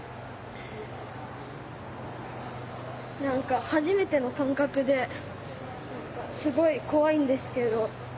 何か初めての感覚ですごい怖いんですけど。